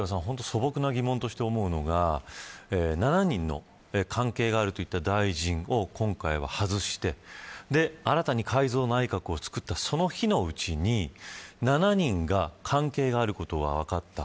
素朴な疑問として思うのが７人の関係があるといった大臣を今回は、外して新たに改造内閣を作ったその日のうちに７人が関係があることが分かった。